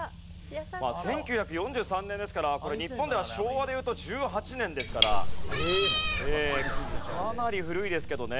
１９４３年ですからこれ日本では昭和でいうと１８年ですからかなり古いですけどね。